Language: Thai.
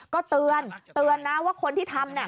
ก็เตือนนะว่าคนที่ทำนี่